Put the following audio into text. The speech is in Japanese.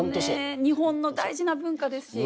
日本の大事な文化ですし。